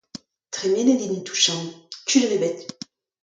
Tremenet int tuchant, kudenn ebet.